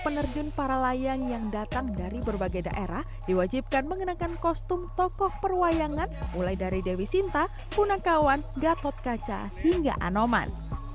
penerjun para layang yang datang dari berbagai daerah diwajibkan mengenakan kostum tokoh perwayangan mulai dari dewi sinta punakawan gatot kaca hingga anoman